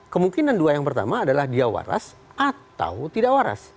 kemungkinan dua yang pertama adalah dia waras atau tidak waras